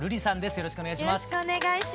よろしくお願いします。